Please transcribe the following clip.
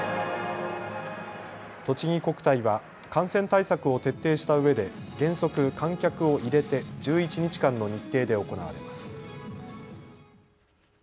とちぎ国体は感染対策を徹底したうえで原則観客を入れて１１日間の日程で行われます。